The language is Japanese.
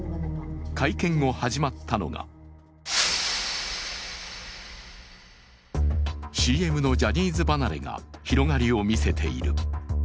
会見後始まったのがＣＭのジャニーズ離れが広がりを見せている。